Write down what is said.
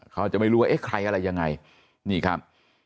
เขาจะไม่รู้ว่าเอ๊ะใครอะไรยังไงนี่ครับ